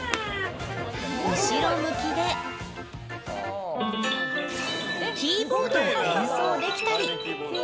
後ろ向きでキーボード演奏できたり。